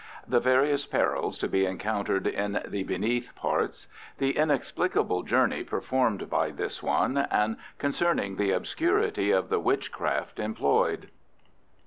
The various perils to be encountered in the Beneath Parts. The inexplicable journey performed by this one, and concerning the obscurity of the witchcraft employed.